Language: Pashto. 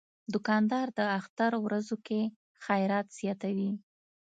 دوکاندار د اختر ورځو کې خیرات زیاتوي.